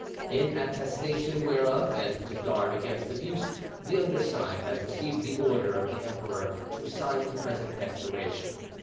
"In attestation whereof, and to guard against abuse, the undersigned has received the order of the Emperor to sign the present declaration.